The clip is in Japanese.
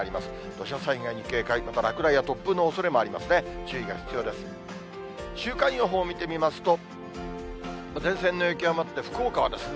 土砂災害に警戒、また落雷や突風のおそれもありますね。